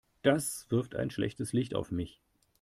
Das wirft ein schlechtes Licht auf mich.